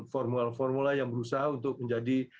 formula formula yang berusaha untuk menjadi